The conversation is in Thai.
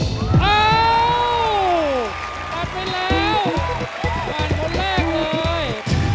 มากเลย